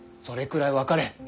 それくらい分かれ。